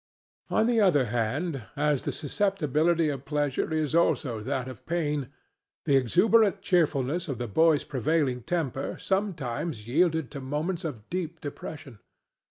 On the other hand, as the susceptibility of pleasure is also that of pain, the exuberant cheerfulness of the boy's prevailing temper sometimes yielded to moments of deep depression.